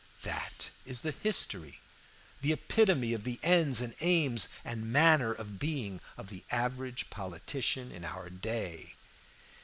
That is the history, the epitome of the ends and aims and manner of being of the average politician in our day.